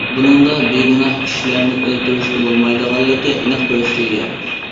بۇنىڭدا بىگۇناھ كىشىلەرنى ئۆلتۈرۈشكە بولمايدىغانلىقى ئېنىق كۆرسىتىلگەن.